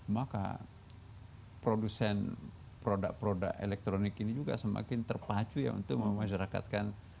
maka produsen produk produk elektronik ini juga semakin terpacu ya untuk memasyarakatkan